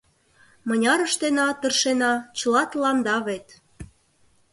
Мыняр ыштена, тыршена, чыла тыланда вет.